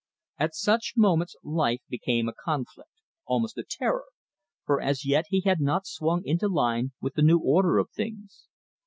At such moments life became a conflict almost a terror for as yet he had not swung into line with the new order of things.